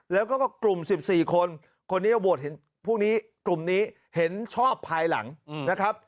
แล้วก็กลุ่ม๑๔คนคนนี้กลุ่มนี้เห็นชอบภายหลังนะครับ